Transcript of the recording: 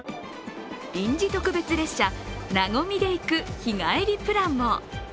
臨時特別列車なごみで行く日帰りプランも。